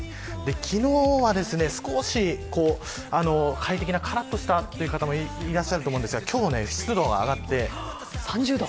昨日は少しからっとしたという方もいらっしゃると思うんですが今日は湿度が上がって３０度。